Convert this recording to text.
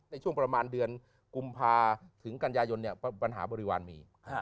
ในช่วงประมาณเดือนกุมภาถึงกันยายนเนี่ยปัญหาบริวารมี